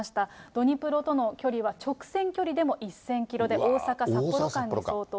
ドニプロとの距離は直線距離でも１０００キロで、大阪・札幌間に相当。